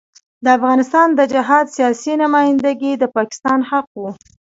د افغانستان د جهاد سیاسي نمايندګي د پاکستان حق وو.